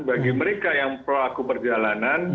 bagi mereka yang pelaku perjalanan